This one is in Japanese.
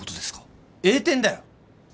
栄転だよ。